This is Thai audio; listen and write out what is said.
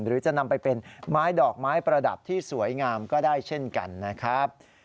หรือจะนำไปเป็นไม้ดอกไม้ประดับที่สวยงามก็ได้เช่นกันนะครับ